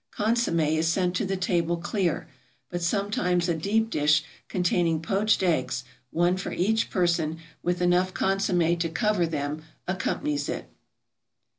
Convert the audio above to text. Consommé is sent to the table clear, but sometimes a deep dish containing poached eggs, one for each person, with enough consommé to cover them, accompanies it.